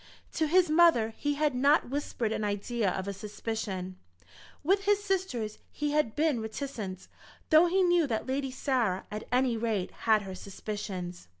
To his mother he had not whispered an idea of a suspicion. With his sisters he had been reticent, though he knew that Lady Sarah, at any rate, had her suspicions.